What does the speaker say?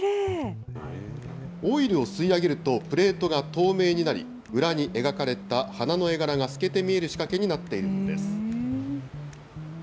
オイルを吸い上げるとプレートが透明になり、裏に描かれた花の絵柄が透けて見える仕掛けになっているんです。